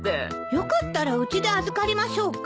よかったらうちで預かりましょうか？